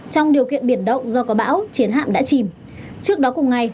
trong điều kiện biển động do có bão chiến hạm đã chìm trước đó cùng ngày